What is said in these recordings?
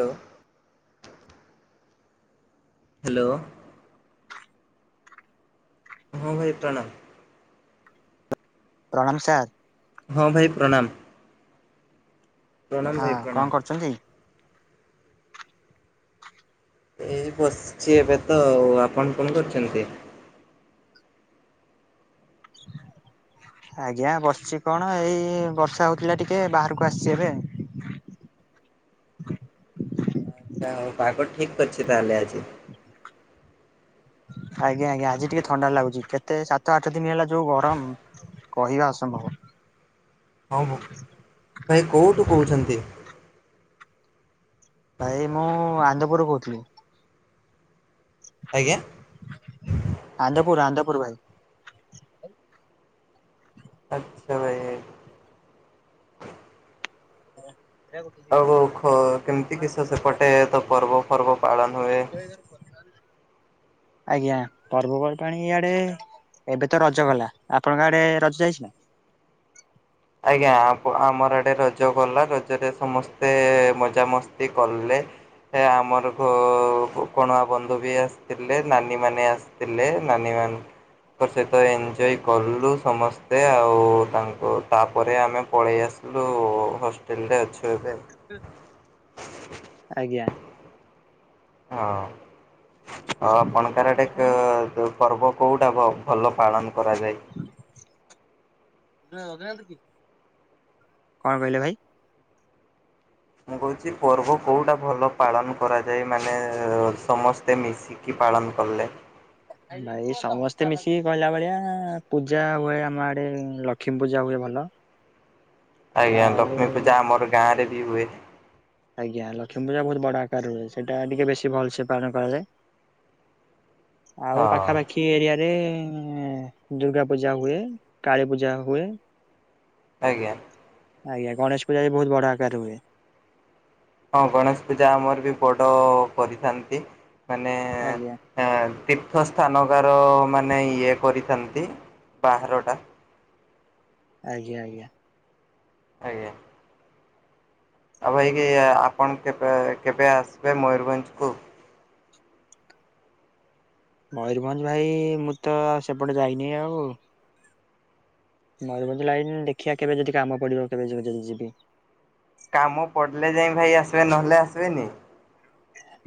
Hello. Hello. ହଁ ଭାଇ ପ୍ରଣାମ। ପ୍ରଣାମ ସାର୍। ହଁ ଭାଇ ପ୍ରଣାମ। ପ୍ରଣାମ ହଁ ଭାଇ କଣ ପ୍ରଣାମ। କରୁଛନ୍ତି? ଏଇ ବସିଛି ଏବେ ତ ଆଉ। ଆପଣ କଣ କରୁଛନ୍ତି? ଆଜ୍ଞା ବସିଛି କଣ ଏଇ ବର୍ଷା ହଉଥିଲା ଟିକେ ବାହାରକୁ ଆସିଛି ଏବେ। ଆଚ୍ଛା। ଆଉ ପାଗ ଠିକ ଅଛି ତାହେଲେ ଆଜି? ହଁ ଆଜ୍ଞା ଆଜ୍ଞା ଆଜି ଟିକେ ଥଣ୍ଡା ଲାଗୁଛି। କେତେ ସାତ ଆଠ ଦିନ ହେଲା ଯୋଉ ଗରମ କହିବା ଅସମ୍ଭବ। ହଁ ଭାଇ କୋଉଠୁ କହୁଛନ୍ତି? ଭାଇ ମୁଁ ଆନନ୍ଦପୁରରୁ କହୁଥିଲି। ଆଜ୍ଞା ଆନ୍ଧପୁର ଆନ୍ଧ ପୁର ଭାଇ। ଆଚ୍ଛା ଭାଇ। ଉଁ। ଆଉ ଖ କେମିତି କିସ ସେପଟେ ତ ପର୍ବ ଫର୍ବ ପାଳନ ହୁଏ? ଆଜ୍ଞା ପର୍ବପର୍ବାଣି ଇଆଡେ ଏବେ ତ ରଜ ଗଲା। ଆପଣଙ୍କ ଆଡେ ରଜ ଯାଇଛି ନା? ଆଜ୍ଞା ଆ ଆମର ଆଡେ ରଜ ଗଲା। ରଜରେ ସମସ୍ତେ ମଜାମସ୍ତି କଲେ। ଏ ଆମର ଘ କୋଣଆ ବନ୍ଧୁ ବି ଆସିଥିଲେ। ନାନୀ ମାନେ ଆସିଥିଲେ। ନାନୀ ମା ତାଙ୍କ ସହିତ ଏନ୍ଜୟ କଲୁ ସମସ୍ତେ ଆଉ ତାଙ୍କୁ ତାପରେ ଆମେ ପଳେଇ ଆସିଲୁ ହଷ୍ଟେଲରେ ଅଛ [unintelligible] ଆଜ୍ଞା। ହଁ ଆଉ ଆପଣଙ୍କର ଆଡେ କେ ପର୍ବ କୋଉଁଟା ଭ-ଭଲ ପାଳନ କରାଯାଏ? କଣ କହିଲେ ଭାଇ? ମୁଁ କହୁଛି ପର୍ବ କୋଉଟା ଭଲ ପାଳନ କରାଯାଏ? ମା ନେ ସମସ୍ତେ ମିଶିକି ପାଳନ କଲେ। ଭାଇ ସମସ୍ତେ ମିଶିକି କହିଲା ଭଳିଆ ପୂଜା ହୁଏ ଆମଆଡେ ଲକ୍ଷ୍ମୀ ପୂଜା ହୁଏ ଭଲ। ଆଜ୍ଞା ଲକ୍ଷ୍ମୀ ଆଉ ପୂଜା ଆମର ଗାଁରେ ବି ହୁଏ। ଆଜ୍ଞା ଲକ୍ଷ୍ମୀ ପୂଜା ବହୁତ ବଡ ଆକାରରେ ହୁଏ। ସେଇଟା ଟିକେ ବେଶୀ ଭଲସେ ପାଳନ କରାଯାଏ। ଆଉ ହଁ ପାଖାପାଖି ଏରିଆରେ ଏଁ ଦୁର୍ଗା ପୂଜା ହୁଏ। କାଳୀ ପୂଜା ହୁଏ। ଆଜ୍ଞା। ଆଜ୍ଞା ଗଣେଶ ପୂଜା ବି ବହୁତ ବଡ ଆକାରରେ ହୁଏ। ହଁ ଗଣେଶ ପୂଜା ଆମରବି ବଡ କରିଥାନ୍ତି। ମାନେ ଆଜ୍ଞା ଏଁ ତୀର୍ଥ ସ୍ଥାନ ପ୍ରକାର ମାନେ ଇଏ କରିଥାନ୍ତି ବାହାରଟା। ଆଜ୍ଞା ଆଜ୍ଞା। ଆଜ୍ଞା। ଆଉ ଭାଇକି ଆପଣ କେବେ କେବେ ଆସିବେ ମୟରଭଞ୍ଜକୁ? ମୟୂରଭଞ୍ଜ ଭାଇ ମୁଁ ତ ସେପଟେ ଯାଇନି ଆଉ। ମୟୂରଭଞ୍ଜ ଲାଇନ ଦେଖିଆ କେବେ ଯଦି କାମ ପଡିବ କେବେ ଯ-ଯଦି ଯିବି। କାମ ପଡିଲେ ଯାଇଁ ଭାଇ ଆସିବେ ନହେଲେ ଆସିବେନି?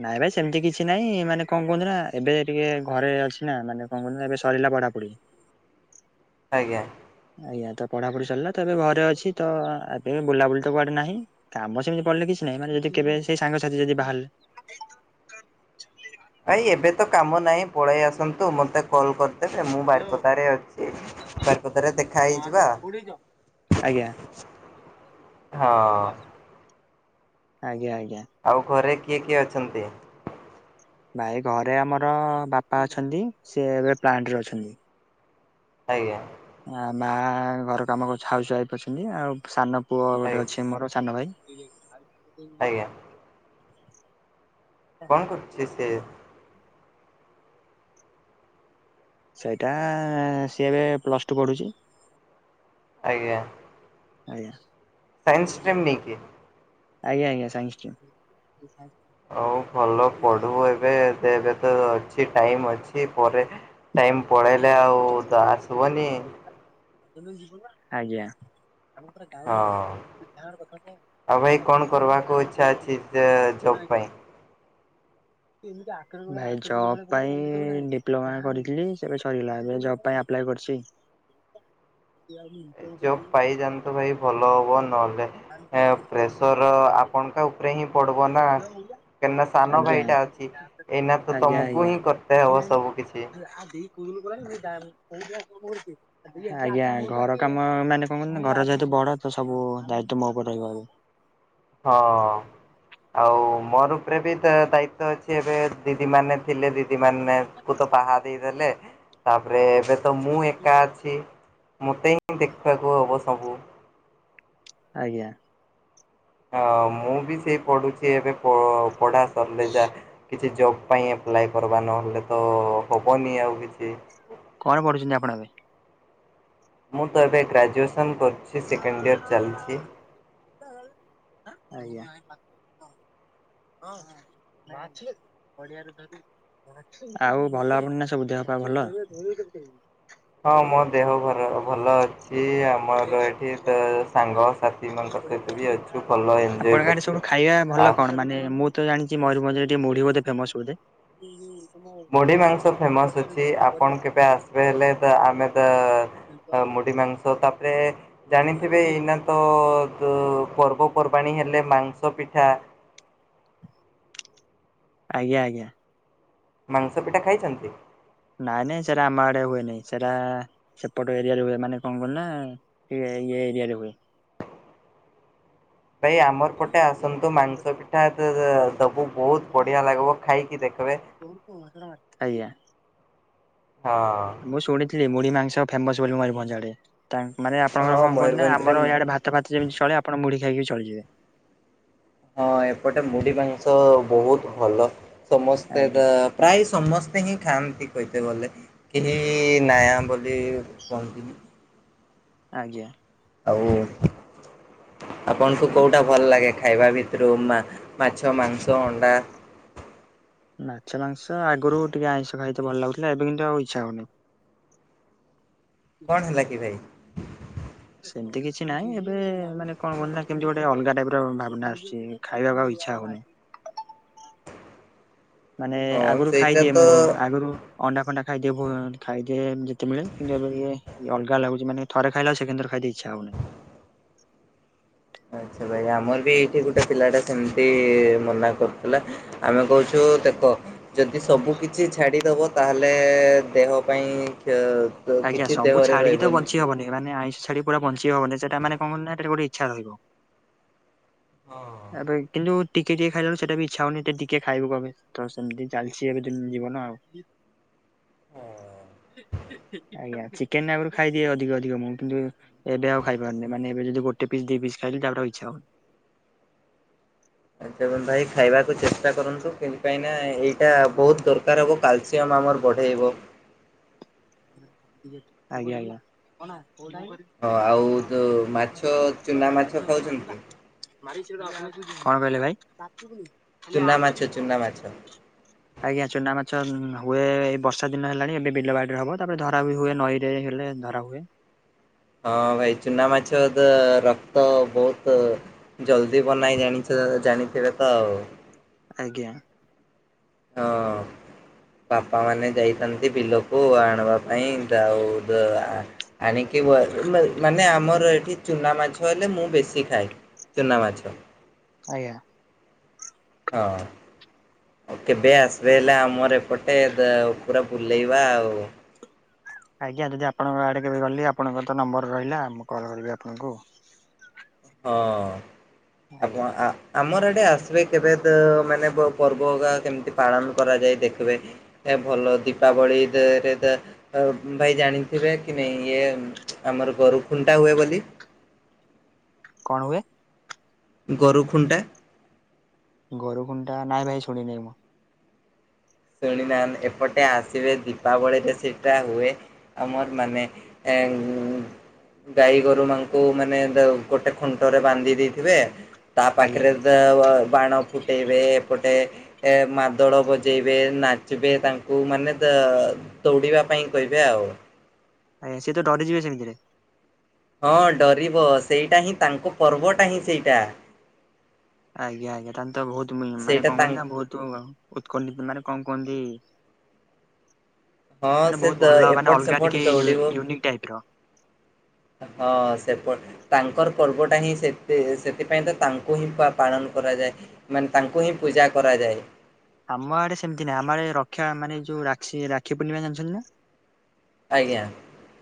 ନାଇଁ ଭାଇ ସେମିତି କିଛି ନାଇଁ ମାନେ କଣ କୁହନ୍ତି ନା ଏବେ ଟିକେ ଘରେ ଅଛିନା ମାନେ କଣ କୁହନ୍ତୁ ନା ଏବେ ସରିଲା ପଢାପଢି। ଆଜ୍ଞା। ଆଜ୍ଞା ତ ପଢାପଢି ସରିଲା ତ ଏବେ ଘରେ ଅଛି ତ ଏବେ ବୁଲାବୁଲି ତ କୁଆଡେ ନାହିଁ କାମ ସେମିତି ପଡିଲେ କିଛି ନାଇଁ ମାନେ ଯଦି କେବେ ସେଇ ସାଙ୍ଗସାଥି ଯଦି ବାହା ନାଇଁ ଏବେତ କାମ ନାହିଁ ପଳେଇ ଆସନ୍ତୁ ମତେ କଲ କରି ମୁଁ ବାରିପଦାରେ ଅଛି ବାରିପଦା ରେ ଦେଖାହେଇଯିବା। ଆଜ୍ଞା। ହଁ। ଆଜ୍ଞା। ଆଉ ଘରେ କିଏ କିଏ ଅଛନ୍ତି? ଭାଇ ଘରେ ଆମର ବାପା ଅଛନ୍ତି ସେ ଏବେ ପ୍ଲାଣ୍ଟରେ ଅଛନ୍ତି। ଆଜ୍ଞା। ଆ ମା ଘର କାମକରୁ ହାଉସ୍ ୱାଇଫି‌ ଅଛନ୍ତି ଆଉ ସାନ ପୁଅ ଗୋଟେ ଆଜ୍ଞା ଅଛି ମୋର ସାନ ଭାଇ। ଆଜ୍ଞା କଣ କରୁଛି ସେ? ସେଇଟା ସିଏ ଏବେ ପ୍ଲସ ଟୁ ପଢୁଛି। ଆଜ୍ଞା। ଆଜ୍ଞା। ସାଇନ୍ସ୍ ଷ୍ଟ୍ରିମ୍ ନେଇକି ଆଜ୍ଞା ଆଜ୍ଞା ସାଇନ୍ସ୍ ଷ୍ଟ୍ରିମ୍। ହଉ ଭଲ ପଢୁ ଏବେ ଏବେ ଅଛି ଟାଇମ ଅଛି ପରେ ଟାଇମ ପଳେଇଲେ ଆଉ ତ ଆସିବନି। ଆଜ୍ଞା ହଁ। [unintelligible] ଆଉ ଭାଇ କଣ କରିବାକୁ ଇଚ୍ଛା ଅଛି ଜବ ପାଇଁ? ଭାଇ ଜବ ପାଇଁ ଡିପ୍ଲୋମା କରିଥିଲି ସେବେ ସରିଲା ଏବେ ଜବ ପାଇଁ ଆପଲାଇ କରିଛି। [inaudible] ଏ ଜବ ପାଇଯାନ୍ତୁ ଭାଇ ଭଲ ହବ ନହଲେ ପ୍ରେସର ଆପଣଙ୍କ ଉପରେହିଁ ପଡିବନା। କାହିଁନା ସାନ ଆଜ୍ଞା। ଭାଇଟା ଅଛି ଏଇନା ତ ଆଜ୍ଞା ତମକୁ ଆଜ୍ଞା ହିଁ କରତେ ହବ ସବୁ କିଛି। [unintelligible] ଆଜ୍ଞା ଘର କାମ ମାନେ କଣ କରୁ ଘର ଯେହେତୁ ବଡ଼ ତ ସବୁ ଦାୟିତ୍ଵ ମୋ ଉପରେ ରହିବ ଆଉ। ହଁ। ଆଉ ମୋର ଉପରେ ବି ତ ଦାୟିତ୍ଵ ଅଛି ଏବେ ଦିଦି ମାନେ ଥିଲେ ଦି ମାନେ କୁ ତ ବାହା ଦେଇଦେଲେ ତାପରେ ଏବେ ତ ମୁଁ ଏକା ଅଛି। ମୋତେ ହିଁ ଦେଖିବାକୁ ହେବ ସବୁ। ଆଜ୍ଞା। ହ ମୁଁ ବି ସେଇ ପଢୁଛି ଏବେ ପଢ଼ା ସରିଲେ ଯା କିଛି ଜବ୍ ପାଇଁ ଆପ୍ଲାଏ କରବା ନହେଲେ ତ ହେବନି ଆଉ କିଛି। କଣ ପଢୁଛନ୍ତି ଆପଣ ଏବେ? ମୁଁ ତ ଏବେ ଗ୍ରାଜୁଏସ [unintelligible] ଆଜ୍ଞା। ହଁ ହଁ ମାଛ ପଡ଼ିଆରେ [unintelligible] ଆଉ ଭଲ [unintelligible] ନା ସବୁ ଦେହ ପା ଭଲ। ହଁ ମୋ ଦେହ ଭଲ ଅଛି ଆମ ମୋର ଏଠି ତ ସାଙ୍ଗ ସାଥି ଙ୍କ ସହିତ ବି ଅଛୁ ଭଲ ଏଞ୍ଜୟ୍ ଆପଣଙ୍କ ଆଡେ ସବୁ କରୁଛୁ ଖାଇବା ଭଲ ଆ କଣ ମାନେ ମୁଁ ତ ଜାଣିଛି ମୟୂରଭଞ୍ଜରେ ଟିକେ ମୁଢି ବୋଧେ ଫେମସ ବୋଧେ। ମୁଢ଼ି ମାଂସ ଫେମସ୍ ଅଛି ଆପଣ କେବେ ଆସିବେ ହେଲେ ତ ଆମେ ତ ମୁଢ଼ି ମାଂସ ତାପରେ ଜାଣିଥିବେ ଏଇନା ତ ପର୍ବ ପର୍ବାଣୀ ହେଲେ ମାଂସ ପିଠା। ଆଜ୍ଞା ଆଜ୍ଞା। ମାଂସ ପିଠା ଖାଇଛନ୍ତି। ନାଇଁ ନାଇଁ ସେଟା ଆମ ଆଡ଼େ ହୁଏ ନାଇଁ ସେଟା ସେପଟ ଏରିଆ ରେ ହୁଏ ମାନେ କଣ କହିଲ ନା ଇଏ ଏରିଆରେ ହୁଏ। ଭାଇ ଆମର ପଟେ ଆସନ୍ତୁ ମାଂସ ପିଠା ଦବୁ। ବହୁତ ବଢ଼ିଆ ଲାଗ୍ବ ଖାଇକି ଦେଖ୍। ବେ ଆଜ୍ଞା। ମୁଁ ଶୁଣିଥିଲି ମୁଢି ମାଂସ ଫେମସ୍ ବୋଲି ମୟୁର୍ ଭଞ୍ଜଆଡ଼େ। ତା ମାନେ ଆପଣଙ୍କର ହଁ କଣ କୁନ୍ତି ନା ମୟୂରଭଞ୍ଜରେ ଆମର ଇଆଡେ ଭାତ ଫାତ ଯେମିତି ଚଳେ ଆପଣ ମୁଢି ଖାଇକି ଚଳିଯିବେ। ହଁ ଏପଟେ ମୁଢି ମାଂସ ବହୁତ ଭଲ। ସମସ୍ତେ ତ ଆଜ୍ଞା ପ୍ରାୟ ସମସ୍ତ ହିଁ ଖାଆ ଠିକତ ଗଲେ କେହି ନାୟା ବୋଲି କହନ୍ତି। ଆଜ୍ଞା। ଆଉ। ଆପଣଙ୍କୁ କୋଉଟା ଭଲ ଲାଗେ ଖାଇବା ଭିତରୁ ମାଛ ମାଂସ ଅଣ୍ଡା। [inaudible] ମାଛ ମାଂସ ଆଗରୁ ଟିକେ ଆଇଁଷ ଖାଇତେ ଭଲ ଲାଗୁଥିଲା ଏବେ କିନ୍ତୁ ଆଉ ଇଚ୍ଛା ହଉନି। କଣ ହେଲା କି ଭାଇ? ସେମିତି କିଛି ନହିଁ ଏବେ ମାନେ କଣ କୁୁ ନା କେମିତି ଗୋଟେ ଅଲଗା ଟାଇପ୍ ର ଭାବନା ଆସୁଛି ଖାଇବାକୁ ଆଉ ଇଚ୍ଛା ହଉନି। [inaudible] ମାନେ ହଁ ଆଗରୁ ସେଇଟା ଖାଇଦିଏ ତ ମୁଁ ଆଗରୁ ଅଣ୍ଡା ଫଣ୍ଡା। ଖାଇଦିଏ ଖାଇଦିଏ ଯେତେ ମିଳେ କିନ୍ତୁ ଏବେଇ ଅଲଗା ଲାଗୁଛି ମାନ ରେ ଖାଇଲା ସେକେଣ୍ଡ ୍ ଥର ଖାଇଦେ ଇଚ୍ଛା ହଉନହିଁ। [inaudible] ଆଛା ଭାଇ ଆମର ବି ଏଇଠି ଗୋଟେ ପିଲା ଟା ସେମିତି ମନା କରୁଥିଲା ଆମେ କହୁଛୁ ଦେଖ ଯଦି ସବୁ କିଛି ଛାଡ଼ିଦବ ତାହେଲେ ଦେହ ପାଇଁ ଇଁ ଆଜ୍ଞା ସବୁ ଛାଡିକି ତ ବଞ୍ଚି ହବନି ମାନେ ଆଇଁଷ ଛାଡି ପୁରା ବଞ୍ଚି କିଛି ହବନି ସେଟା ମାନେ କଣ କରଟ ଗୋଟେ ଇଛା ରହିବ। ଏବେ କିନ୍ତୁ ଟିକେ ଟିକେ ଖାଇଲା ବେଳକୁ ସେଟା ବି ଇଛା ହଉନି ଏଟା ଟିକେ ଖାଇବୁ ଏବେ ତ ସେମିତି ଚାଲିଚଛି ଏବେ ଦିନ ଯିବୁ। କ ନା ଆଉ। [inaudible] [inaudible] ଆଜ୍ଞା ଚିକେନ ଆଗରୁ ଖାଇଦିଏ ଅଧିକ ଅଧିକ ମୁଁ କିନ୍ତୁ ଏବେ ଆଉ ଖାଇ ପାରୁନି ମାନେ ଏବେ ଯଦି ଗୋଟେ ପିସ୍ ଦି ପିସ୍। ଖାଇଲି ତା ପରେ ଆଉ ଇଛା ହଉନି। [inaudible] ଆଛା ଏବଂ ଭାଇ ଖାଇବାକୁ ଚେଷ୍ଟା କରନ୍ତୁ ସେଥିପାଇଁ ନା ଏଇଟା ବହୁତ ଦରକାର। କାରକୁ କାଲସୟମ୍ ଆମର ବଢ଼େଇବ। ଆଜ୍ଞା ଆଜ୍ଞା। [unintelligible] କଣ କହିଲେ ହଁ ଆଉ ଯୋଉ ମାଛ ଚୁନା ମାଛ ଖାଉଛନ୍ତି? ଭାଇ? ଚୁନା ମାଛ ଚୁନା ମାଛ ଆଜ୍ଞା ଚୁନା ମାଛ ଆଚ୍ଛା ହୁଏ ଏ ବର୍ଷା ଦିନ ହେଲାଣି ଏବେ ବିଲବାଡ଼ିରେ ହେବ। ତାପରେ ଧରା ବି ହୁଏ ନଈରେ ହେଲେ ଧରା ହୁଏ। ହଁ ଭାଇ ଚୁନା ମାଛ ରକ୍ତ ବହୁତ୍। ଜଲଦି ବନଇ ଜାଣିଛ ଜାଣିଥିବେ ତ ଆଉ। ଆଜ୍ଞା। ହଁ। ବାପା ମାନେ ଯାଇଥାନ୍ତି ବିଲକୁ ଆଣ୍ ବା ପାଇଁ ଯାଉ- ଯୋ-ଆଣିକି [unintelligible] ମାନେ ଆମର ଏଇଠି ଚୁନା ମାଛ ହେଲେ ମୁଁ ବେଶୀ ଖାଏ। ଚୁନାମାଛ। ଆଜ୍ଞା। ହଁ। କେବେ ଆସ୍ ବେ ହେଲେ ଆମର ଏପଟେ ପୁରା ବୁଲେଇବା ଆଉ। ଆଜ୍ଞା ଯଦି ଆପଣଙ୍କ ଆଡ଼େ କେବେ ଗଲି ଆପଣଙ୍କର ତ ନମ୍ବର ରହିଲା ମୁଁ କଲ୍ କରିବି ଆପଣଙ୍କୁ। ହଁ ଆଜ୍ଞା ଆପଣ ଆ ଆମର ଏଠି ଆସିବେ କେବେ ମାନେ ପର୍ବକା କେମିତି ପାଳନ କରାଯାଏ ଦେଖିବେ। ଭଲ ଦୀପାବଳିରେ ଭାଇ ଜାଣିଥିବେ କି ନାଇ ଇଏ ଆମର୍ ଗୋରୁ ଖୁଣ୍ଟା ହୁଏ ବୋଲି। କଣ ହୁଏ? ଗୋରୁ ଖୁଣ୍ଟା। ଗୋରୁ ଖୁଣ୍ଡା ନାଇ ଭାଇ ଶୁଣିନେଇ ମୁଁ। ଶୁଣି ନା ଏପଟେ ଆସିବେ ଦୀପାବଳିରେ ସେଇଟା ହୁଏ। ଆମର ମାନେ ଏ। ଗାଈ ଗୋରୁମାଙ୍କୁ ମାନେ ଦ ଗୋଟେ ଖୁଣ୍ଟରେ ବାନ୍ଧି ଦେଇଥିବେ। ତା ଆଜ୍ଞା ପାଖରେ ଦେ ବାଣ ଫୁଟେଇବେ ଏପଟେ ଏ ମାଦଳ ବଜେଇବେ। ନାଚିବେ ତାଙ୍କୁ ମାନେ ଦ ଦୌଡିବା ପାଇଁ କହିବେ ଆଉ। ଆଜ୍ଞା ସେତ ଦରି ଯିବେ ସେମିତିରେ। ହଁ ଡରିବ ସେଇଟା ହିଁ ତାଙ୍କ ପର୍ବଟା ହିଁ ସେଇଟା। ଆଜ୍ଞା ଆଜ୍ଞା ତହେନେତ ବହୁତ ମାନେ ସେଇଟା କଣ କର ତାଙ୍କ ନା ବହୁତ ଉତ୍କଣ୍ଠିତ ମାନେ କ କୁହନ୍ତି। ହଁ ମାନେ ସେ ବହୁତ ଭଲ ମାନେ ଏପଟ ଅଲଗା ସେପଟ ଟିକେ ଦୌଡିବ ୟୁ-ୟୁନିକ୍ ଟାଇପର। ହଁ ସେପ ତାଙ୍କର ପର୍ବ ଟା ହିଁ ସେତେ ସେଥିପାଇଁ ତ ତାଙ୍କୁ ହିଁ ପା-ପାଳନ କରାଯାଏ ମାନେ ତାଙ୍କୁ ହିଁ ପୂ ପୂଜା କରାଯାଏ। ଆମ ଆଡେ ସେମିତି ନାଇଁ ଆମର ରକ୍ଷା ମାନେ ଯୋଉ ରାକ୍ଷୀ ରାକ୍ଷୀ ପୂର୍ଣ୍ଣିମା ଜାଣିଛନ୍ତି ନା। ଆଜ୍ଞା।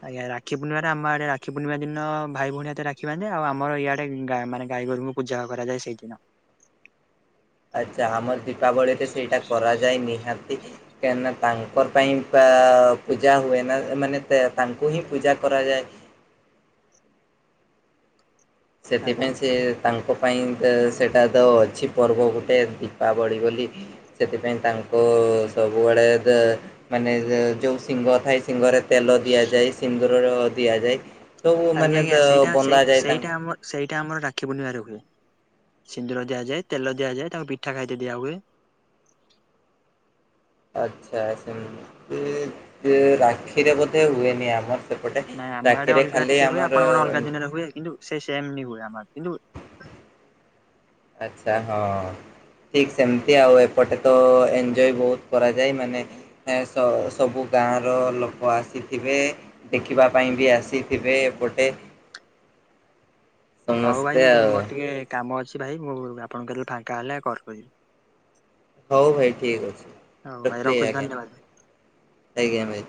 ଆଜ୍ଞା ରାକ୍ଷି। ପୂର୍ଣ୍ଣିାରେ ଆେ ରାକ୍ଷୀ ପୂର୍ଣି ଦିନ ଭାଇ ଭଉଣୀ ହାତରେ ରାକ୍ଷୀ ବାନ୍ଧେ ଆମ ଇଆଡେ ଗା ମାନ ଗାଈ ଗୋରୁଙ୍କୁ ପୂଜା କରା ରା ସେଇଦିନ। ଆଚା ଆମର ଦୀପାବଳିରେ ସେଇଟା କରାଯାଏ ନିହା କାହିଁନା ତାଙ୍କ ପାଇଁ ପା ପୂଜା ହୁଏ ନା ମାନେ ତେ ତାଙ୍କୁ ହିଁ ପୂଜା କରାଯାଏ। ସେଥିପାଇଁ ଆଜ୍ଞା ସେ ତାଙ୍କ ପାଇଁ ତ ସେଇଟା ତ ଅଛି ପର୍ବ ଗୋଟେ ଦୀପାବଳି ବୋଲି ସେଥିପାଇଁ ତାଙ୍କ ସବୁବେଳେ ଯ ମାନେ ଯୋଉ ସିଙ୍ଗ ଥାଏ ସିଙ୍ଗରେ ତେଲ ଦିଆଯାଏ ସିନ୍ଦୁର ଦିଆଯାଏ ସବୁ ଆଜ୍ଞା ମାନେ ଆଜ୍ଞା ତ ସେଇଟା ସେଇ ବନ୍ଧା ଯାଏ ସେଇଟା ତାଙ୍କୁ ଆମ ସେଇଟା ଆମର ରାକ୍ଷୀ ପୂର୍ଣ୍ଣିମାରେ ହୁଏ। ସିନ୍ଦୁର ଦିଆଯାଏ ତେଲ ଦିଆଯାଏ ତାଙ୍କୁ ପିଠା ଖାଇଟେ ଦିଆ ହୁଏ। [unintelligible] ଆଛା ସେମିତି ରାକ୍ଷୀରେ ବୋଧେ ହୁଏନି ଆମର ସେପଟେ ନାଇଁ ଆମ ଆଡେ ରାକ୍ଷୀରେ ଅଲଗା ଖାଲି ଟିକେ ହୁଏ ଆମର ଆପଣଙ୍କର ଅଲଗା ଦିନରେ ହୁଏ କିନ୍ତୁ ସେମ ହୁଏ ଆମ କିନ୍ତୁ ଆଛା ହଁ। ଠିକ ସେମିତି ଆଉ ଏପଟେ ତ ଏନଞ୍ଜୟ ବହୁତ କରାଯାଏ ମାନେ ସ-ସବୁ ଗାଁର ଲୋକ ଆସିଥିବେ ଦେଖିବା ପାଇଁ ବି ଆସିଥିବେ ଏପଟେ [unintelligible] ହଉ ଭାଇ ଆଉ ମୋର ଟିକେ କାମ ଅଛି ଭାଇ ମୁଁ ଆପଣଙ୍କ କେତଲେ ଫାଙ୍କା ହେଲେ ଆଉ କଲ କରିବି। ହଉ ଭାଇ ଠିକ ଅଛି। ହଉ ଭାଇ ରଖିଲ ରଖୁଛି ଆଜ୍ଞା ଧନ୍ୟବାଦ। ଆଜ୍ଞା ଭାଇ।